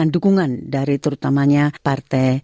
untuk mengurangi tekanan biaya hidup